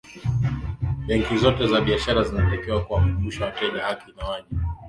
benki zote za biashara zinatakiwa kuwakumbusha wateja haki na wajibu